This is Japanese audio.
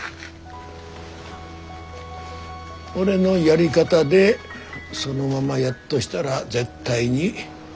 俺のやり方でそのままやっとしたら絶対に無理だ。